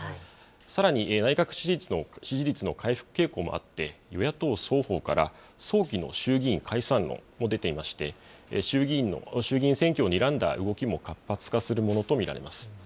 さらに内閣支持率の回復傾向もあって、与野党双方から早期の衆議院解散論も出ていまして、衆議院選挙をにらんだ動きも活発化するものと見られます。